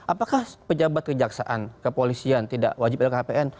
apakah pejabat kejaksaan kepolisian tidak wajib lhkpn